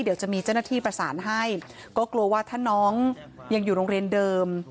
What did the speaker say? เดี๋ยวจะมีเจ้าหน้าที่ประสานให้ก็กลัวว่าถ้าน้องยังอยู่โรงเรียนเดิม